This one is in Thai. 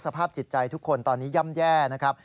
สภาพจิตใจทุกคนตอนนี้ย่ำแย่นะครับ